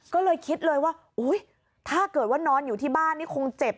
ก็เลยคิดเลยว่าอุ๊ยถ้าเกิดว่านอนอยู่ที่บ้านนี่คงเจ็บ